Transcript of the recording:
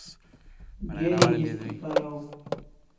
Geri histi paraw